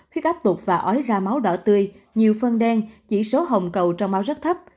huyết áp tục và ói ra máu đỏ tươi nhiều phân đen chỉ số hồng cầu trong máu rất thấp